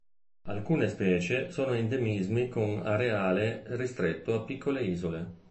Alcune specie sono endemismi con areale ristretto a piccole isole.